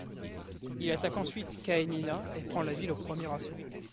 Il attaque ensuite Caenina et prend la ville au premier assaut.